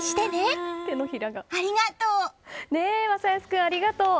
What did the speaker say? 君、ありがとう！